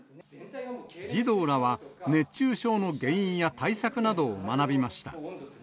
児童らは熱中症の原因や対策などを学びました。